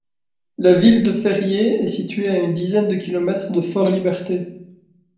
La ville de Ferrier est située à une dizaine de kilomètres de Fort-Liberté.